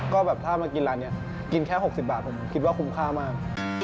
ก็แบบถ้ามากินร้านนี้กินแค่๖๐บาทผมคิดว่าคุ้มค่ามาก